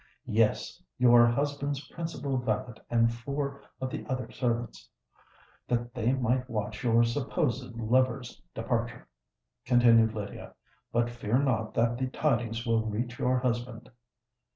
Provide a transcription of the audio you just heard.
"Yes—your husband's principal valet and four of the other servants, that they might watch your supposed lover's departure," continued Lydia. "But fear not that the tidings will reach your husband.